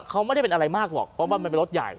เขาไม่ได้เป็นอะไรมากหรอกเพราะว่ามันเป็นรถใหญ่